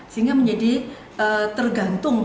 sehingga menjadi tergantung